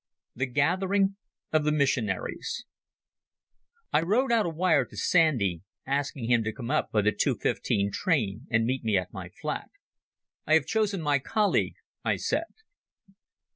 The Gathering of the Missionaries I wrote out a wire to Sandy, asking him to come up by the two fifteen train and meet me at my flat. "I have chosen my colleague," I said.